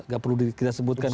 gak perlu kita sebutkan